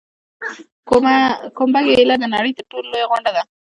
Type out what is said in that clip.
کومبه میله د نړۍ تر ټولو لویه غونډه ده.